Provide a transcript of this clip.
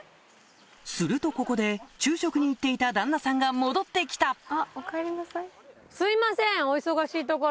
するとここで昼食に行っていた旦那さんが戻って来たあ。